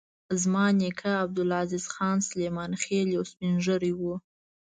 زما نیکه عبدالعزیز خان سلیمان خېل یو سپین ږیری و.